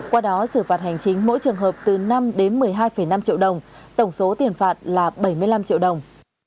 qua đó xử phạt hành chính mỗi trường hợp từ năm đến một mươi hai năm triệu đồng tổng số tiền phạt là bảy mươi năm triệu đồng